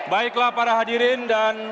baiklah para hadirin dan